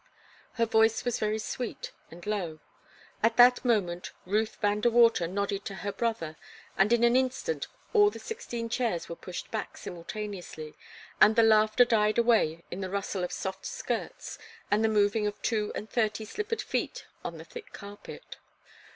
Her voice was very sweet and low. At that moment Ruth Van De Water nodded to her brother, and in an instant all the sixteen chairs were pushed back simultaneously, and the laughter died away in the rustle of soft skirts and the moving of two and thirty slippered feet on the thick carpet.